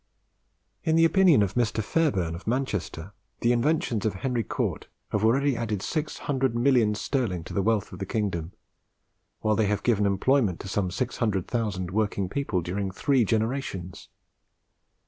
In the opinion of Mr. Fairbairn of Manchester, the inventions of Henry Cort have already added six hundred millions sterling to the wealth of the kingdom, while they have given employment to some six hundred thousand working people during three generations.